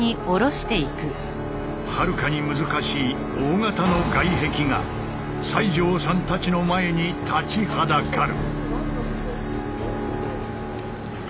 はるかに難しい大型の外壁が西城さんたちの前に立ちはだかる。